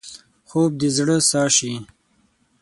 خوب د زړه ساه شي